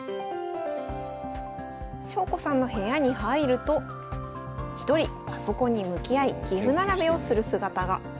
翔子さんの部屋に入ると一人パソコンに向き合い棋譜並べをする姿が。